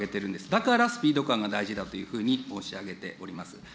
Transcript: だからスピード感が大事だというふうに申し上げております。